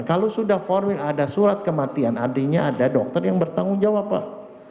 kalau sudah formil ada surat kematian artinya ada dokter yang bertanggung jawab pak